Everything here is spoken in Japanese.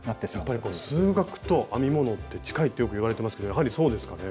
やっぱり数学と編み物って近いってよくいわれてますけどやはりそうですかね？